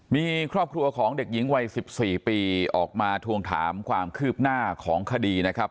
มีครอบครัวของเด็กหญิงวัย๑๔ปีออกมาทวงถามความคืบหน้าของคดีนะครับ